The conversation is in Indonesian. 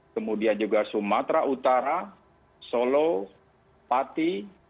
kemudian juga sumatera utara solo pati